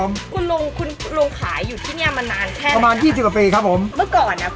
เมื่อก่อนนะคุณลุงขายแล้วเคยแรปอย่างงี้ไหมเมื่อยี่สิบปี